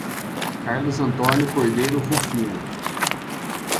Carlos Antônio Cordeiro Rufino